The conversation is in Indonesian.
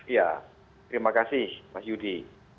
ya terima kasih mas yudi